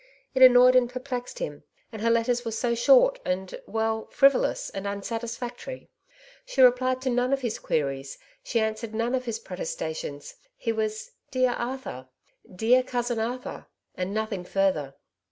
It annoyed and perplexed him ; and her letters were so short and — well, frivolous and unsatisfactory. She replied to none of his queries, she answered none of his protestations; he was " dear Arthur,^* /' dear cousin Arthur/^ and nothing further.